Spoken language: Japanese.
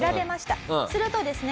するとですね